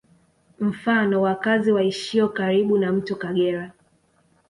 Mfano wakazi waishio karibu na mto Kagera